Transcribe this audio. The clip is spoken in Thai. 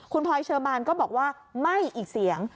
คุณพลอยเชอร์มานก็บอกว่าไม่อีกเสียง